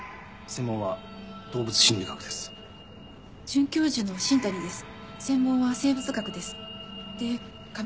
専門は音響物理学です。